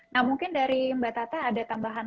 nah mungkin dari mbak tata ada tambahan